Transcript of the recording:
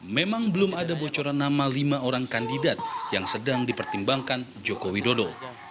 memang belum ada bocoran nama lima orang kandidat yang sedang dipertimbangkan joko widodo